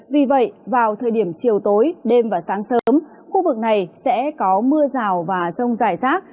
vì vậy vào thời điểm chiều tối đêm và sáng sớm khu vực này sẽ có mưa rào và rông dài rác